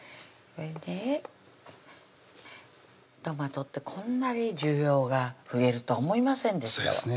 トマトってこんなに需要が増えると思いませんでしたそうですね